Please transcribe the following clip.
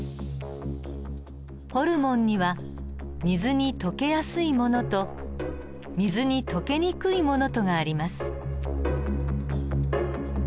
ホルモンには水に溶けやすいものと水に溶けにくいものとがあります。